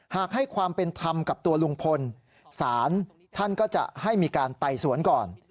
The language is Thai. หากให้ความเป็นธรรมกับตัวลุงพลศาลท่านก็จะให้มีการไต่สวนก่อน